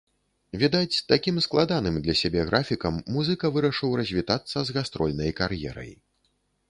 Відаць, такім складаным для сябе графікам музыка вырашыў развітацца з гастрольнай кар'ерай.